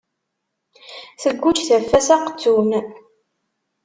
Tegguǧ taffa s aqettun.